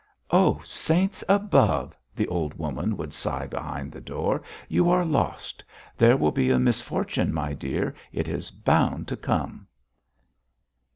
"Oh, saints above!" the old woman would sigh behind the door. "You are lost. There will be a misfortune, my dear. It is bound to come."